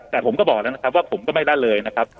แต่ผมก็บอกแล้วนะครับว่าผมก็ไม่ละเลยนะครับ